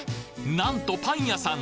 なんとパン屋さん